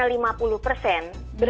berarti kalau biasanya